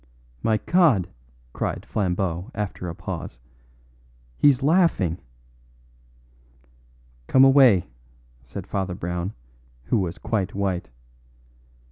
"My God!" cried Flambeau after a pause, "he's laughing!" "Come away," said Father Brown, who was quite white.